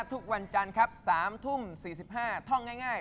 ทุกวันจันทร์ครับ๓ทุ่ม๔๕ท่องง่าย